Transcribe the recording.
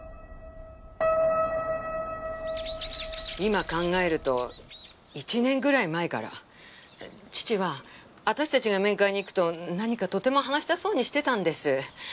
今考えると１年ぐらい前から父は私たちが面会に行くと何かとても話したそうにしてたんです。